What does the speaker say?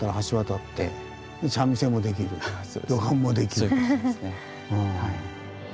まあそういうことなんですね。